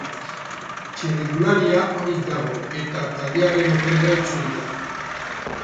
Txirrindularia onik dago, eta taldearen hotelera itzuli da.